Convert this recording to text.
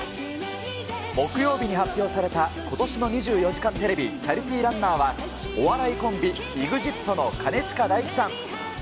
木曜日に発表された、ことしの２４時間テレビ、チャリティーランナーは、お笑いコンビ、ＥＸＩＴの兼近大樹さん。